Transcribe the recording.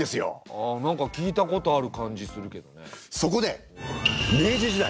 ああ何か聞いたことある感じするけどね。